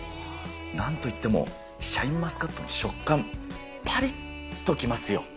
なんといっても、シャインマスカットの食感、パリっときますよ。